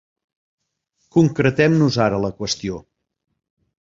Concretem-nos ara a la qüestió.